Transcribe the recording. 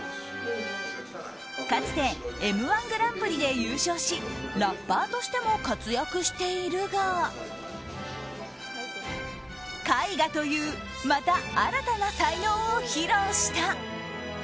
かつて「Ｍ‐１グランプリ」で優勝しラッパーとしても活躍しているが絵画というまた新たな才能を披露した。